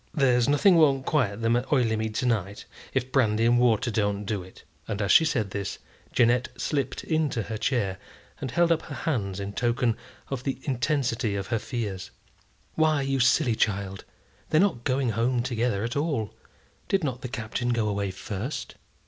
There's nothing won't quiet them at Oileymead to night, if brandy and water don't do it." As she said this, Jeannette slipt into her chair, and held up her hands in token of the intensity of her fears. "Why, you silly child, they're not going home together at all. Did not the Captain go away first?"